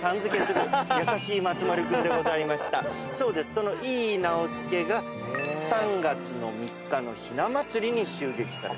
その井伊直弼が３月の３日のひな祭りに襲撃されます。